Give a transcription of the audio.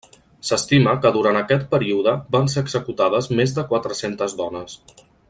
S'estima que durant aquest període van ser executades més de quatre-centes dones.